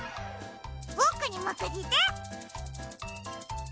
ボクにまかせて！